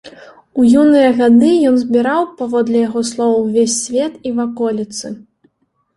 У юныя гады ён збіраў, паводле яго слоў, увесь свет і ваколіцы.